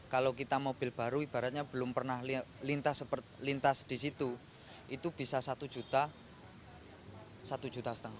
kalau kita mobil baru ibaratnya belum pernah lintas di situ itu bisa satu juta setengah